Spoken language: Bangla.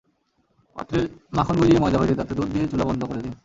পাত্রে মাখন গলিয়ে ময়দা ভেজে তাতে দুধ দিয়ে চুলা বন্ধ করে দিন।